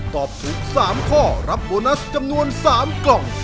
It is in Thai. ตอบถูก๓ข้อรับโบนัสจำนวน๓กล่อง